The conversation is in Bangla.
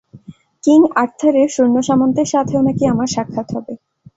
কিং আর্থারের সৈন্যসামন্তের সাথেও নাকি আমার সাক্ষাৎ হবে।